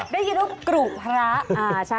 ได้ยินรึเปล่ากรุภร้ะ